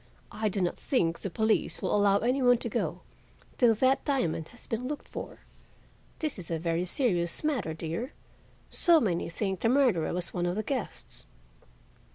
I do not think the police will allow any one to go till that diamond has been looked for. This is a very serious matter, dear. So many think the murderer was one of the guests."